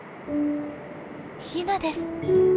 ヒナです。